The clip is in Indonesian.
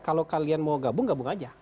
kalau kalian mau gabung gabung aja